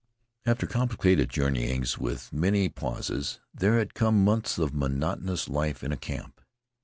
After complicated journeyings with many pauses, there had come months of monotonous life in a camp.